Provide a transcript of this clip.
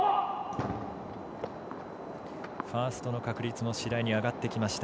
ファーストの確率も次第に上がってきました。